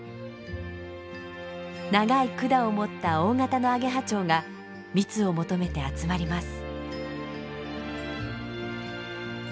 長い管をもった大型のアゲハチョウが蜜を求めて集まります。